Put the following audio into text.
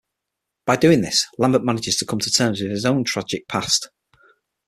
By doing this, Lambert manages to come to terms with his own tragic past.